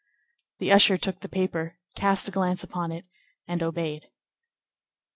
The usher took the paper, cast a glance upon it, and obeyed.